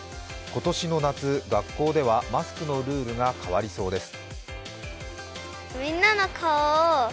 今年の夏、学校ではマスクのルールが変わりそうです。